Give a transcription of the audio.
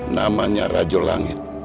namanya raja langit